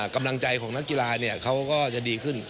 กำลังใจของนักกีฬาเขาก็จะดีขึ้น